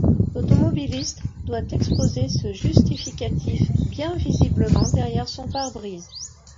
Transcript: L'automobiliste doit exposer ce justificatif bien visiblement derrière son pare-brise.